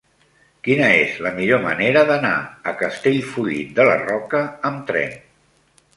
Quina és la millor manera d'anar a Castellfollit de la Roca amb tren?